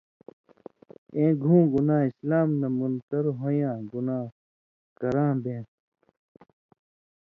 اېں گُھوں گناہ (اسلام نہ مُنکُر ہُوئ یاں گناہ) کراں بېن٘س۔